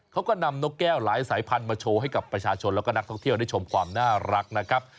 เขาก็นำนกแก้วหลายสายพันธุ์มาโชว์ให้กับประชาชนแล้วก็นักท่องเที่ยวได้ชมความน่ารักนะครับ